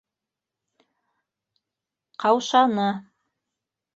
Ҡаушаны.